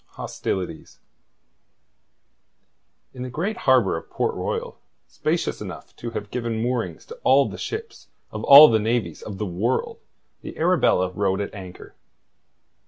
HOSTILITIES In the great harbour of Port Royal, spacious enough to have given moorings to all the ships of all the navies of the world, the Arabella rode at anchor.